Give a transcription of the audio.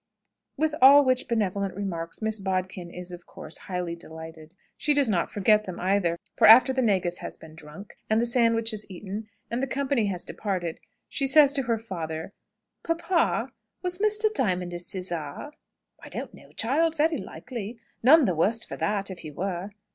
With all which benevolent remarks Miss Bodkin is, of course, highly delighted. She does not forget them either; for after the negus has been drunk, and the sandwiches eaten, and the company has departed, she says to her father, "Papa, was Mr. Diamond a sizar?" "I don't know, child. Very likely. None the worse for that, if he were."